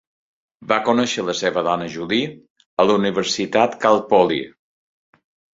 Va conèixer a la seva dona Julie a la Universitat Cal Poly.